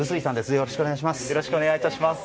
よろしくお願いします。